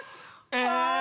え